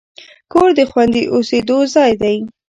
کور د خوندي اوسېدو ځای دی.